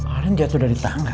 arin jatuh dari tangga